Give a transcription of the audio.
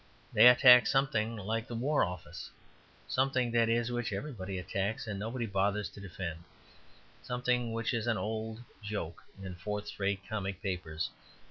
They attack something like the War Office something, that is, which everybody attacks and nobody bothers to defend, something which is an old joke in fourth rate comic papers.